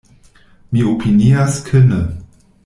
Mi opinias, ke ne.